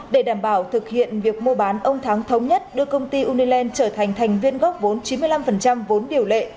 để đảm bảo thực hiện việc mua bán ông thắng thống nhất đưa công ty uniland trở thành thành viên góp vốn chín mươi năm vốn điều lệ